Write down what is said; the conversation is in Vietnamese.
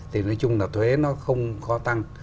thì nói chung là thuế nó không có tăng